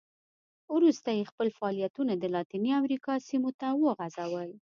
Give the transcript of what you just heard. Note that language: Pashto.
وروسته یې خپل فعالیتونه د لاتینې امریکا سیمو ته وغځول.